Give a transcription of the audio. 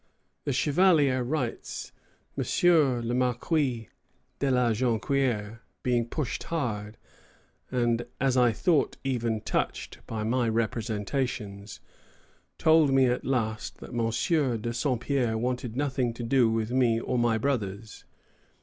The Chevalier writes: "M. le Marquis de la Jonquière, being pushed hard, and as I thought even touched, by my representations, told me at last that M. de Saint Pierre wanted nothing to do with me or my brothers."